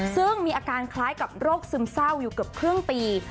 ซึ่งมีอาการคล้ายกับโรคซึมเศร้าอยู่เกือบครึ่งปี